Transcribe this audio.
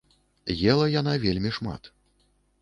Ела яна вельмі шмат.